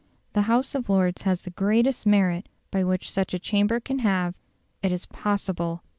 The House of Lords has the greatest merit which such a chamber can have; it is POSSIBLE.